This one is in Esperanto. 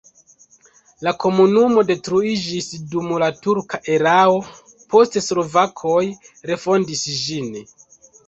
La komunumo detruiĝis dum la turka erao, poste slovakoj refondis ĝin.